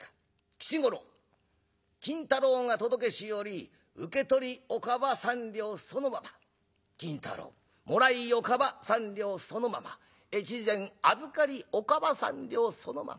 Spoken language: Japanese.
吉五郎金太郎が届けし折受け取りおかば三両そのまま金太郎もらいおかば三両そのまま越前預かりおかば三両そのまま。